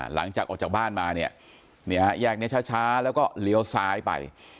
หลังจากออกจากบ้านมาเนี่ยฮะแยกนี้ช้าแล้วก็เลี้ยวซ้ายไป